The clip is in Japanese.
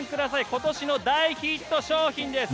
今年の大ヒット商品です！